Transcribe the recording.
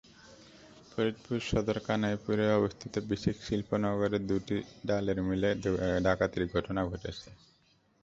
ফরিদপুর সদরের কানাইপুরে অবস্থিত বিসিক শিল্পনগরের দুটি ডালের মিলে ডাকাতির ঘটনা ঘটেছে।